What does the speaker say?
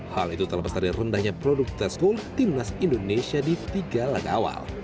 hal itu terlepas dari rendahnya produk tes gol timnas indonesia di tiga laga awal